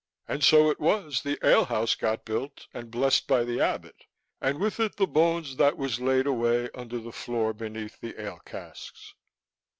And so it was the ale house got built, and blessed by the Abbott, and with it the bones that was laid away under the floor beneath the ale casks."